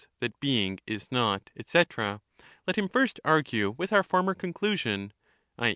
that being is not, etc.], let him first argue with our former conclusion [i.